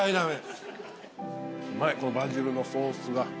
うまいこのバジルのソースが。